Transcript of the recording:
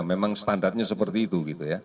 memang standarnya seperti itu